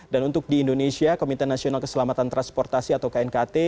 dan untuk di indonesia komite nasional keselamatan transportasi atau knkt